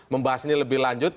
membahas ini lebih lanjut